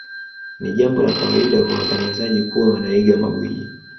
Ni jambo la kawaida kwa watangazaji kuwa wanaiga magwiji